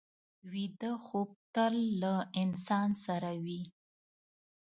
ویده خوب تل له انسان سره وي